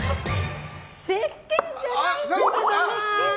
せっけんじゃないんだけどな。